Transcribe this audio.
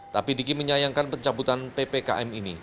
tapi diki menyayangkan pencabutan ppkm ini